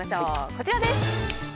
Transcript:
こちらです。